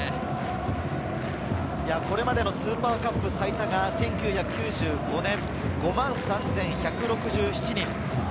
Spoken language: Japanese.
これまでのＳＵＰＥＲＣＵＰ最多が１９９５年、５万３１６７人。